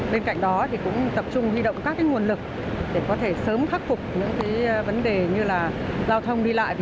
bên cạnh đó cũng tập trung huy động các nguồn lực để có thể sớm khắc phục những vấn đề như là giao thông đi lại